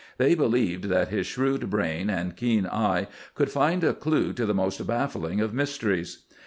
They believed that his shrewd brain and keen eye could find a clue to the most baffling of mysteries.